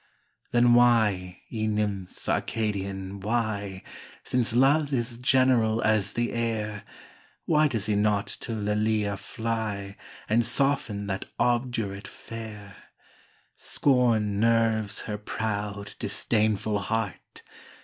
THE DREAM OF LOVE. 71 Then why, ye nymphs Arcadian, why Since Love is general as the air Why does he not to Lelia fly, And soften that obdurate fair? Scorn nerves her proud, disdainful heart